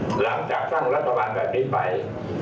หลังจากตั้งรัฐบาลแบบนี้ไป